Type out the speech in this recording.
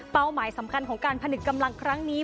หมายสำคัญของการผนึกกำลังครั้งนี้